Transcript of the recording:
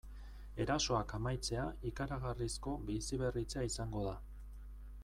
Erasoak amaitzea ikaragarrizko biziberritzea izango da.